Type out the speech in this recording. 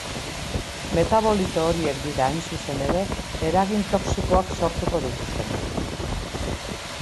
Metabolito horiek dira hain zuzen ere, eragin toxikoak sortuko dituztenak.